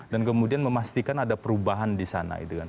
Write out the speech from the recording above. dan kemudian memastikan ada perubahan di sana